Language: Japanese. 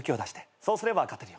そうすれば勝てるよ。